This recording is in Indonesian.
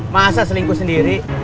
masa selingkuh sendiri